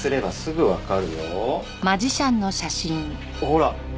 ほら。